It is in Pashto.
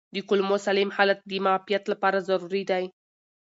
د کولمو سالم حالت د معافیت لپاره ضروري دی.